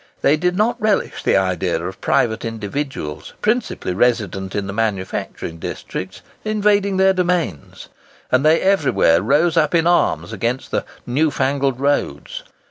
They did not relish the idea of private individuals, principally resident in the manufacturing districts, invading their domains; and they everywhere rose up in arms against the "new fangled roads."